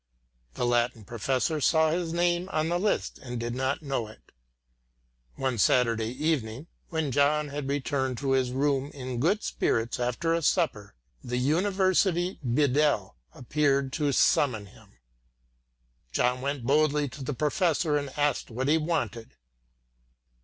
The Latin professor saw his name in the list and did not know it. One Sunday evening, when John had returned to his rooms in good spirits after a supper, the university bedell appeared to summon him. John went boldly to the professor and asked what he wanted.